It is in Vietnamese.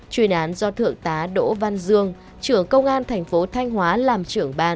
chuyên án do thượng tá đỗ văn dương trưởng công an tp thanh hóa làm trưởng ban